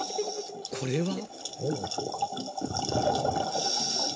これは？］